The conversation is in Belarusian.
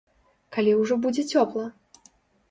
Калі ўжо будзе цёпла?